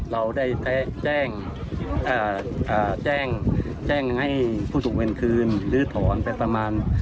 เราได้แจ้งอ่าอ่าแจ้งแจ้งให้ผู้ถูกเวียนคืนลื้อถอนไปประมาณ